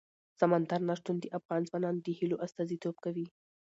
سمندر نه شتون د افغان ځوانانو د هیلو استازیتوب کوي.